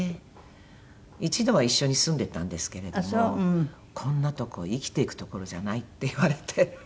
一度は一緒に住んでたんですけれども「こんなとこ生きていく所じゃない」って言われて。